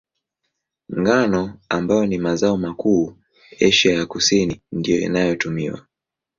Ngano, ambayo ni mazao makuu Asia ya Kusini, ndiyo inayotumiwa.